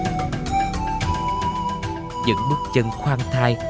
những bước chân khoan thai